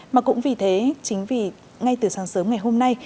mà cũng vì thế chính vì ngay từ sáng sớm ngày hôm nay